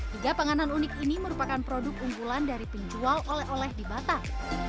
tiga panganan unik ini merupakan produk unggulan dari penjual oleh oleh di batak